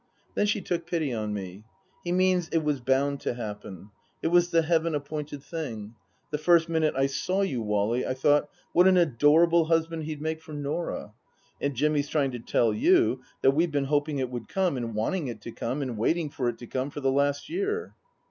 Then she took pity on me. " He means it was bound to happen. It was the heaven appointed thing. The first minute I saw you, Wally, I thought, ' What an adorable husband he'd make for Norah !' And Jimmy's trying to tell you that we've been hoping it would come and wanting it to come and waiting for it to come for the last year."